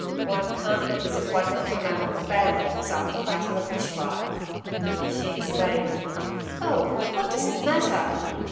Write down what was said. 'One can't look as if one had come out of a bandbox after fighting a bush fire.' She exclaimed, 'Oh! what does it matter?'